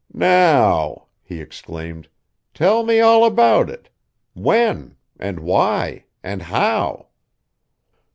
"Now," he exclaimed. "Tell me all about it. When, and why, and how?"